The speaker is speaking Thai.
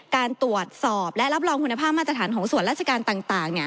การตรวจสอบและรับรองคุณภาพมาตรฐานของส่วนราชการต่าง